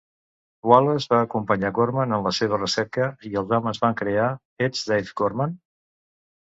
Wallace va acompanyar Gorman en la seva recerca i els homes van crea Ets Dave Gorman?